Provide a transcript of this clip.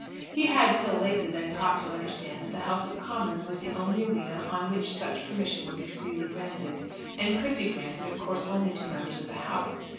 He had, till lately, been taught to understand that the House of Commons was the only arena on which such permission would be freely granted, and could be granted of course only to Members of the House.